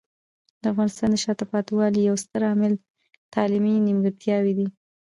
د افغانستان د شاته پاتې والي یو ستر عامل تعلیمي نیمګړتیاوې دي.